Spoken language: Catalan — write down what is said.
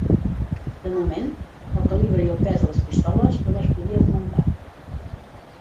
De moment, el calibre i el pes de les pistoles només podia augmentar.